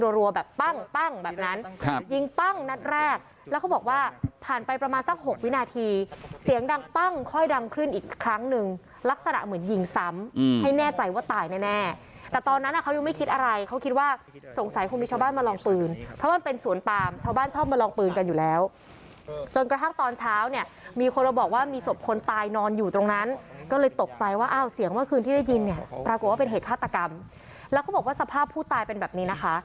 ซ้ำให้แน่ใจว่าตายแน่แต่ตอนนั้นเขายังไม่คิดอะไรเขาคิดว่าสงสัยคงมีชาวบ้านมาลองปืนเพราะมันเป็นสวนปามชาวบ้านชอบมาลองปืนกันอยู่แล้วจนกระทั่งตอนเช้าเนี่ยมีคนบอกว่ามีศพคนตายนอนอยู่ตรงนั้นก็เลยตกใจว่าเสียงเมื่อคืนที่ได้ยินปรากฏว่าเป็นเหตุฆาตกรรมแล้วเขาบอกว่าสภาพผู้ตายเป็นแบบน